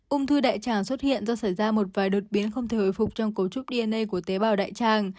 ung thư đại trang xuất hiện do xảy ra một vài đột biến không thể hồi phục trong cấu trúc dna của tế bào đại trang